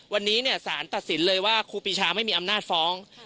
วันนี้สารตัดสินเลยว่าครูปีชาไม่มีอำนาจฟ้อง